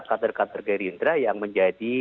kader kader gerindra yang menjadi